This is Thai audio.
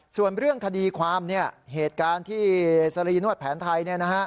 ส่วนเรื่องคดีความเหตุการณ์ที่สรีนวดแผนไทย